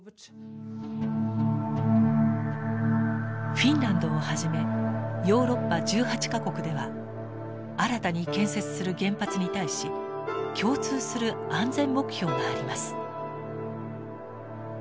フィンランドをはじめヨーロッパ１８か国では新たに建設する原発に対し共通する安全目標があります。